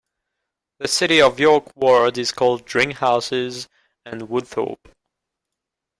The City of York ward is called Dringhouses and Woodthorpe.